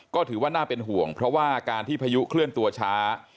ก็ถือว่าน่าเป็นห่วงเพราะว่าการที่พายุเคลื่อนตัวช้า